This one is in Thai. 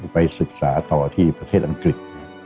ไปศึกษาต่อที่ประเทศอังกฤษ